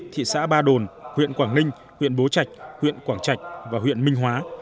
thị xã ba đồn huyện quảng ninh huyện bố trạch huyện quảng trạch và huyện minh hóa